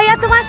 hayu atuh masuk